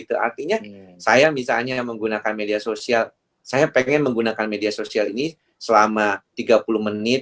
artinya saya misalnya menggunakan media sosial saya pengen menggunakan media sosial ini selama tiga puluh menit